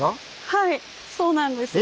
はいそうなんです。